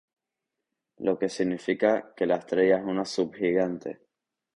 Lo que significa que la estrella es una subgigante.